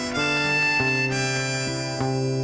หมุน